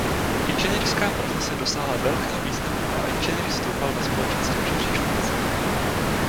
Inženýrská profese dosáhla velkého významu a inženýr stoupal ve společenském žebříčku na ceně.